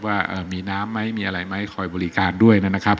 ว่ามีน้ำไหมมีอะไรไหมคอยบริการด้วยนะครับ